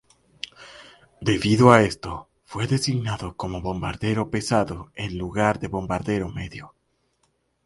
Debido a esto, fue designado como bombardero pesado en lugar de bombardero medio.